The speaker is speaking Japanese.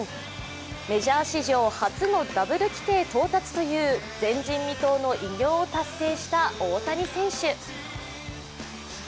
メジャー史上初のダブル規定到達という、前人未到の偉業を達成した大谷選手。